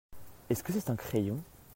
Est-ce que c'est un crayon ?